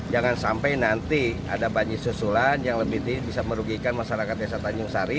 jangan sampai nanti ada banjir susulan yang lebih bisa merugikan masyarakat desa tanjung sari